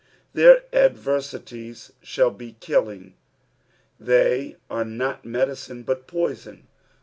Their adrersities shall be killing; they are not mediciae, but poison.